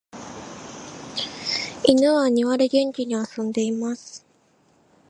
犬は庭で元気に遊んでいます。